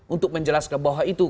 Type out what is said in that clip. untuk menjelaskan bahwa itu